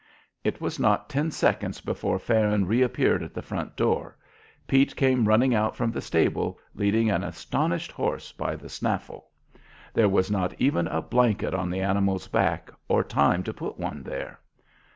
It was not ten seconds before Farron reappeared at the front door. Pete came running out from the stable, leading an astonished horse by the snaffle. There was not even a blanket on the animal's back, or time to put one there.